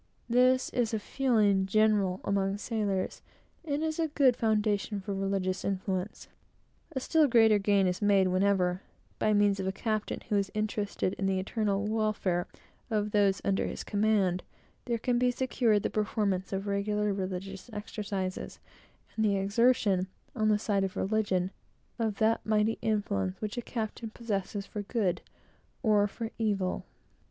This is a feeling general among sailors, and is a good foundation for religious influence. A still greater gain is made whenever, by means of a captain who is interested in the eternal welfare of those under his command, there can be secured the performance of regular religious exercises, and the exertion, on the side of religion, of that mighty influence which a captain possesses for good, or for evil.